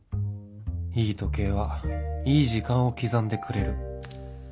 いい時計はいい時間を刻んでくれる